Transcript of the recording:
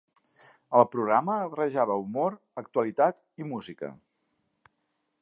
El programa barrejava humor, actualitat i música.